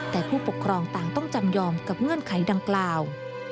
แต่ผู้ปกครองต่างต้องจำยอมกับเงื่อนไขดังกล่าว